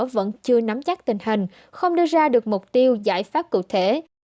vẫn chưa nắm chắc tình hình không đưa ra được mục tiêu giải pháp cụ thể